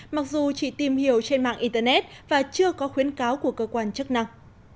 mặc dù chỉ tìm hiểu trên mạng internet và chưa có khuyến cáo của cơ quan chức năng